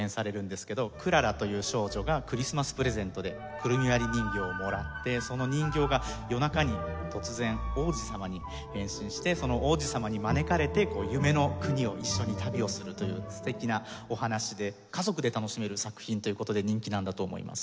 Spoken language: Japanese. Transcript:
クララという少女がクリスマスプレゼントでくるみ割り人形をもらってその人形が夜中に突然王子様に変身してその王子様に招かれて夢の国を一緒に旅をするという素敵なお話で家族で楽しめる作品という事で人気なんだと思います。